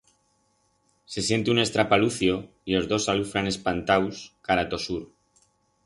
Se siente un estrapalucio y os dos alufran espantaus cara ta o sur.